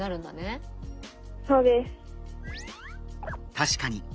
確かに。